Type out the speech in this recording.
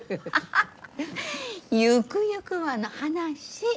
ゆくゆくはの話。